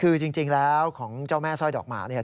คือจริงแล้วของเจ้าแม่สร้อยดอกหมาเนี่ย